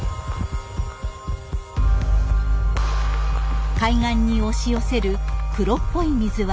海岸に押し寄せる黒っぽい水は赤潮です。